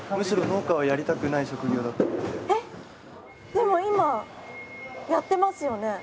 ⁉でも今やってますよね？